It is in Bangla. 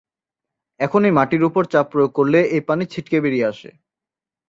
এখন এই মাটির উপর চাপ প্রয়োগ করলে এই পানি ছিটকে বেরিয়ে আসে।